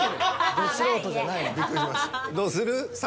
どうする？